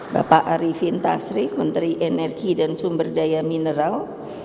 bapak arifin tasrif menteri energi dan sumber daya mineral